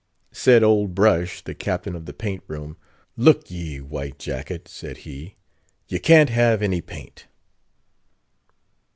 Said old Brush, the captain of the paint room—"Look ye, White Jacket," said he, "ye can't have any paint."